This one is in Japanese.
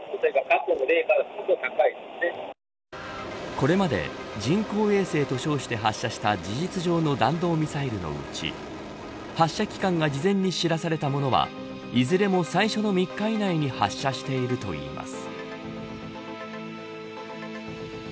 これまで人工衛星と称して発射した事実上の弾道ミサイルのうち発射期間が事前に知らされたものはいずれも最初の３日以内に発射しているといいます。